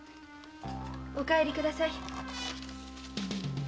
お帰りください〕